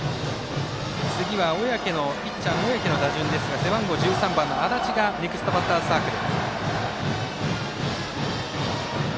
次はピッチャーの小宅の打順ですが背番号１３の安達がネクストバッターズサークル。